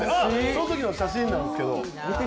そのとの写真なんですけど。